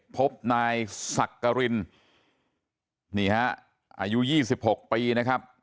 พบนายสักกรินนี่ฮะอายุ๒๖ปีนะครับ